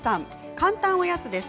簡単おやつです。